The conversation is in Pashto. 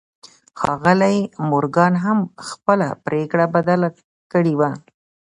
ښاغلي مورګان هم خپله پرېکړه بدله کړې وه.